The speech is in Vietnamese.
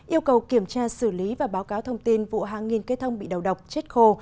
yêu cầu kiểm tra xử lý và báo cáo thông tin vụ hàng nghìn cây thông bị đầu độc chết khô